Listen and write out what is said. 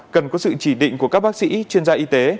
cần có sự chỉ định của các bác sĩ chuyên gia y tế